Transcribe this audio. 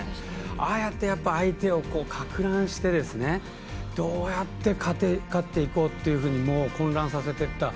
ああやって相手をかく乱してどうやって勝っていこうと混乱させていった。